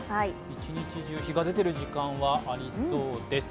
一日中、日が出ている時間はありそうです。